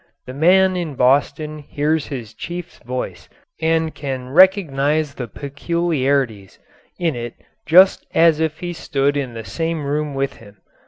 The man in Boston hears his chief's voice and can recognise the peculiarities in it just as if he stood in the same room with him.